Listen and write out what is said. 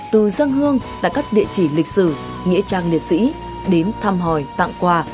từ dân hương tại các địa chỉ lịch sử nghĩa trang liệt sĩ đến thăm hỏi tặng quà